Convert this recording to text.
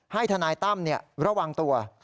ทนายตั้มระวังตัว